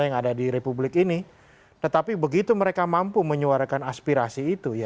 yang ada di republik ini tetapi begitu mereka mampu menyuarakan aspirasi itu ya